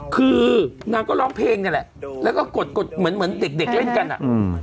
คือนางก็ร้องเพลงนี่แหละแล้วก็กดเหมือนเด็กเล่นกันอะ